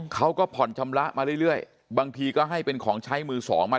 เขาก็ผ่อนชำระมาเรื่อยบางทีก็ให้เป็นของใช้มือสองมา